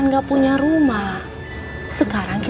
g harus dicari